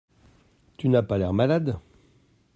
Tu n’as pas l’air malade.